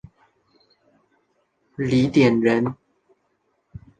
李绚人。